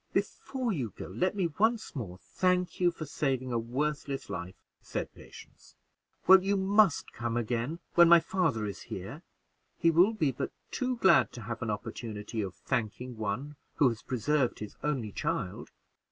"Before you go, let me once more thank you for saving a worthless life," said Patience. "Well, you must come again, when my father is here; he will be but too glad to have an opportunity of thanking one who has preserved his only child.